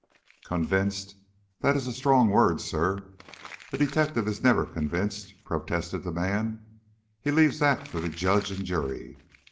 "Convinced? That is a strong word, sir. A detective is never convinced," protested the man. "He leaves that for the judge and jury.